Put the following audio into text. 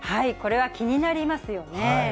これは気になりますよね。